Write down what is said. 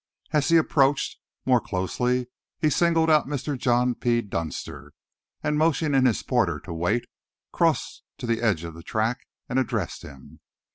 As he approached more closely, he singled out Mr. John P. Dunster, and motioning his porter to wait, crossed to the edge of the track and addressed him.